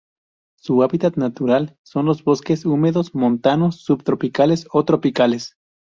Su hábitat natural son los bosques húmedos montanos subtropicales o tropicales.